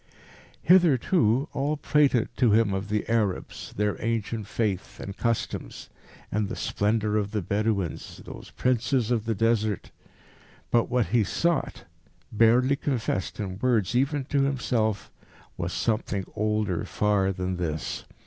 Hitherto all had prated to him of the Arabs, their ancient faith and customs, and the splendour of the Bedouins, those Princes of the Desert. But what he sought, barely confessed in words even to himself, was something older far than this.